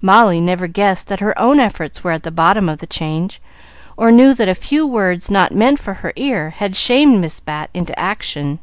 Molly never guessed that her own efforts were at the bottom of the change, or knew that a few words not meant for her ear had shamed Miss Bat into action.